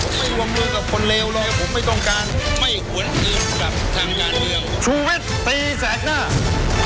ผมไม่วงมือกับคนเลวหรอกผมไม่ต้องการไม่หวนอื่นกลับทางงานเดียวชูวิตตีแสกหน้า